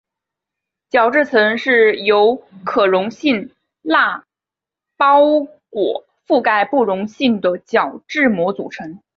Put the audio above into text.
角质层是由可溶性蜡包裹覆盖不溶性的角质膜组成。